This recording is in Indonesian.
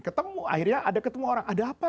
ketemu akhirnya ada ketemu orang ada apa